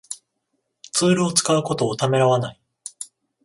ツールを使うことをためらわない